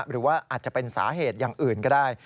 หรือว่าอาจจะเป็นสาเหตุอย่างอื่นก็ได้